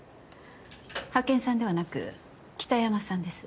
派遣さんではなく北山さんです。